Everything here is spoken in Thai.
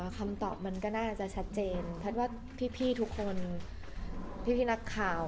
คำตอบมันก็น่าจะชัดเจนแพทย์ว่าพี่ทุกคนพี่นักข่าว